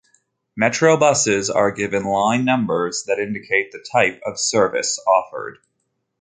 Metro buses are given line numbers that indicate the type of service offered.